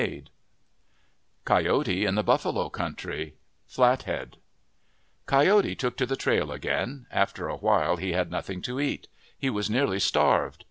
O w 06 O OF THE PACIFIC NORTHWEST COYOTE IN THE BUFFALO COUNTRY Flathead COYOTE took to the trail again. After a while he had nothing to eat. He was nearly starved.